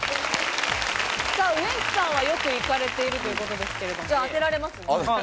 ウエンツさんはよく行かれているということですけれど、当てられますか？